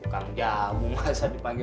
bukan jabung masa dipanggilin